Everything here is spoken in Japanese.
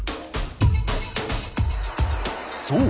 そう！